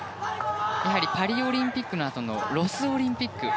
パリオリンピックのあとのロスオリンピック